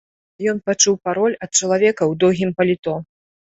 Ён пачуў пароль ад чалавека ў доўгім паліто.